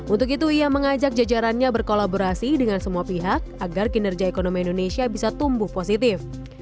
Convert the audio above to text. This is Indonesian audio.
untuk itu ia mengajak jajarannya berkolaborasi dengan semua pihak agar kinerja ekonomi indonesia bisa tumbuh positif